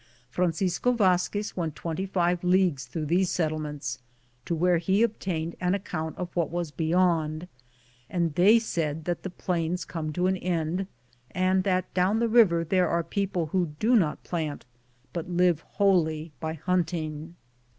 Francisco Vazquez went 25 leagues through these settlements, to where he obtained an account of what was beyond, and they said that the plains come to an end, and that down the river there are people who do not plant, but live wholly by hunting.